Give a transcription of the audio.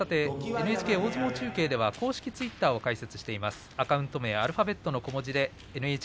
ＮＨＫ大相撲中継ではツイッターを開設しています。